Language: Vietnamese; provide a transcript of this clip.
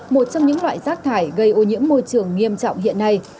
một trong những loại rác thải gây ô nhiễm môi trường nghiêm trọng hiện nay